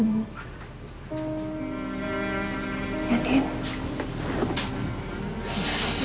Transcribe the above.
kamu gak perlu merasa begitu